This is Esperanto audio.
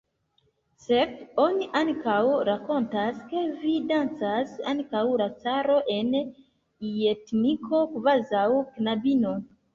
Sed oni ankaŭ rakontas, ke vi dancas antaŭ la caro en ljetniko kvazaŭ knabino!